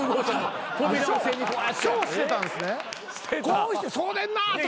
こうしてそうでんなとか。